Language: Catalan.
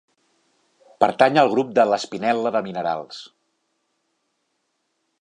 Pertany al grup de l'espinel·la de minerals.